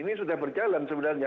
ini sudah berjalan sebenarnya